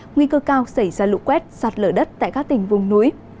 nguy cơ cao xảy ra lũ quét sạt lở đất tại các tỉnh vùng núi